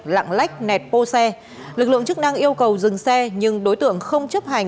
lặng lách nẹt bô xe lực lượng chức năng yêu cầu dừng xe nhưng đối tượng không chấp hành